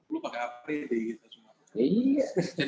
lu pakai apri di sumatera